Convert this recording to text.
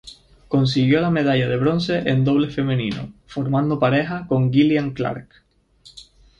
Consiguió la medalla de bronce en dobles femenino, formando pareja con Gillian Clark.